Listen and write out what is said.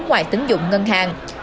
ngoài tính dụng ngân hàng